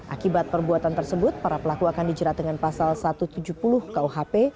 akibat perbuatan tersebut para pelaku akan dijerat dengan pasal satu ratus tujuh puluh kuhp